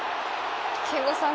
憲剛さん